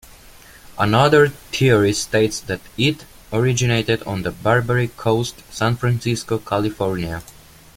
Another theory states that it originated on the Barbary Coast, San Francisco, California.